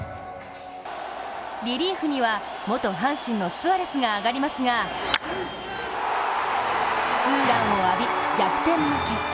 リリーフには、元阪神のスアレスが上がりますがツーランを浴び、逆転負け。